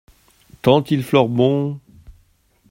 Tant il fleure bon !